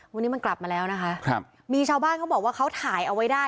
วันนี้มันกลับมาแล้วนะคะครับมีชาวบ้านเขาบอกว่าเขาถ่ายเอาไว้ได้